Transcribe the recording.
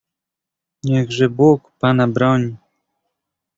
"Niechże Bóg pana broni!"